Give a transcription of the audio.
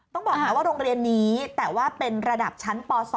ต้องบอกนะว่าโรงเรียนนี้แต่ว่าเป็นระดับชั้นป๒